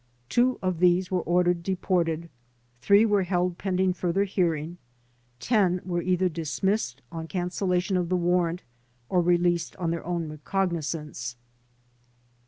Two of these were ordered deported, three were held pending further hearing, ten were either dismissed on cancellation of the warrant or released on their own recognizance.